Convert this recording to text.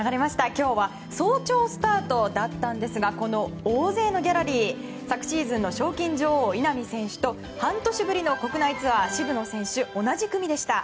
今日は早朝スタートだったんですがこの大勢のギャラリー昨シーズンの賞金女王稲見選手と半年ぶりの国内ツアー渋野選手、同じ組でした。